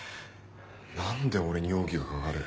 何で俺に容疑がかかる？